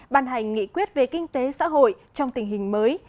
ban hành nghị quyết về kinh tế xã hội trong tình hình mới